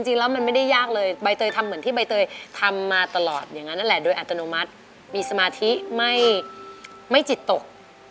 จริงแล้วมันไม่ได้ยากเลยใบเตยทำเหมือนที่ใบเตยทำมาตลอดอย่างนั้นนั่นแหละโดยอัตโนมัติมีสมาธิไม่จิตตก